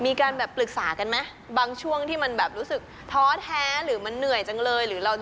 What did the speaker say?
มีการแบบปรึกษากันไหมบางช่วงที่มันแบบรู้สึกท้อแท้หรือมันเหนื่อยจังเลยหรือเรา